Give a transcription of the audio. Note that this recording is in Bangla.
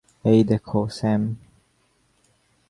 এই দেখো, স্যাম।